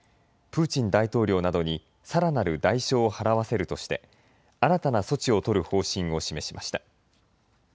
プーチン大統領などにさらなる代償を払わせるとして、新たな措置を取る方針を示しました。